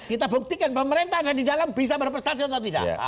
kita buktikan pemerintah ada di dalam bisa berprestasi atau tidak